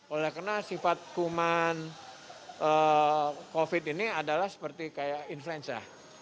oleh karena sifat kuman covid ini adalah seperti kayak influenza